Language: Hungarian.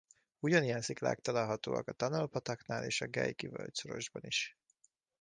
Ugyanilyen sziklák találhatóak a Tunnel-pataknál és a Geikie-völgyszorosban is.